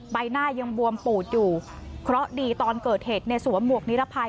ใบหน้ายังบวมปูดอยู่เคราะห์ดีตอนเกิดเหตุเนี่ยสวมหวกนิรภัย